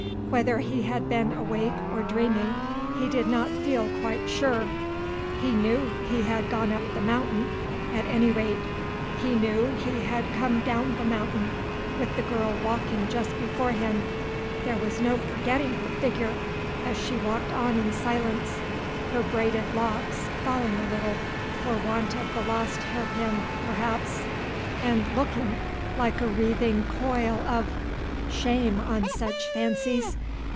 Whether he had been awake or dreaming he did not feel quite sure. He knew he had gone up The Mountain, at any rate; he knew he had come down The Mountain with the girl walking just before him; there was no forgetting her figure, as she walked on in silence, her braided locks falling a little, for want of the lost hairpin, perhaps, and looking like a wreathing coil of Shame on such fancies!